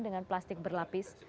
dengan plastik berlapis